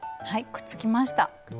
くっつきました。